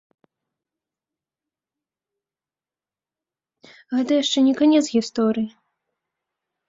Гэта яшчэ не канец гісторыі!